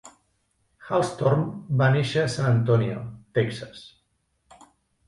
Hallstorm va néixer a San Antonio, Texas.